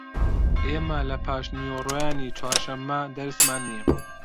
ئێمە لە پاشنیوەڕۆیانی چوارشەممە دەرسمان نییە.